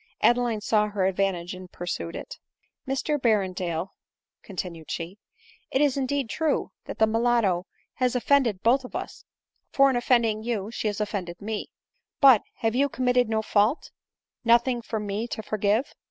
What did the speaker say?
Adeline saw her advantage, and pursued it. " Mr Berrendale," continued she, " it is indeed true, that the mulatto has offended both of us ; for in offending you she has offended me ; but, have you committed no fault, nothing for me to forgive